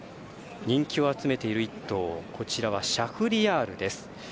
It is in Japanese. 人気を集めている１頭シャフリヤールです。